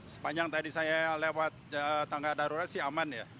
sepanjang tadi saya lewat tangga darurat sih aman ya